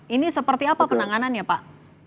ini seperti apa penanganannya pak